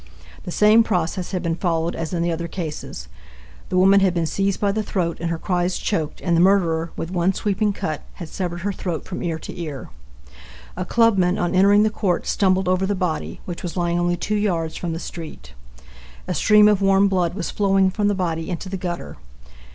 The same process had been followed as in the other cases. The woman had been seized by the throat and her cries choked, and the murderer, with one sweeping cut, had severed her throat from ear to ear. A clubman on entering the court stumbled over the body, which was lying only two yards from the street. A stream of warm blood was flowing from the body into the gutter.